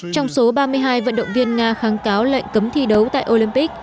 trong số ba mươi hai vận động viên nga kháng cáo lệnh cấm thi đấu tại olympic